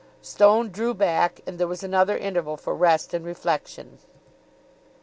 Stone drew back, and there was another interval for rest and reflection.